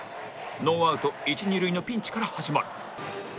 ノーアウト一二塁のピンチから始まる